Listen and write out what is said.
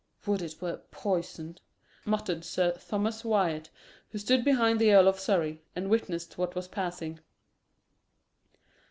"Would it were poison," muttered Sir Thomas Wyat, who stood behind the Earl of Surrey, and witnessed what was passing.